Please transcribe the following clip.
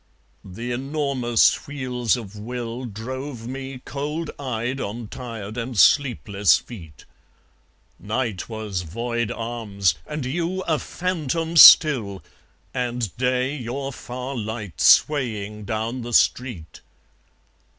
The enormous wheels of will Drove me cold eyed on tired and sleepless feet. Night was void arms and you a phantom still, And day your far light swaying down the street.